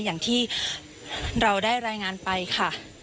อย่างที่เราได้รายงานไปค่ะ